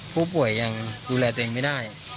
ผู้ป่วยยังดูแลตัวเองไม่ได้